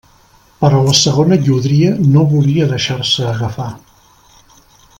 Però la segona llúdria no volia deixar-se agafar.